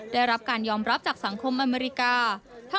ได้รับการยอมรับจากสังคมอเมริกา